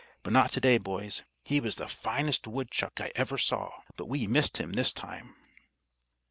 "But not to day, boys. He was the finest woodchuck I ever saw, but we've missed him this time."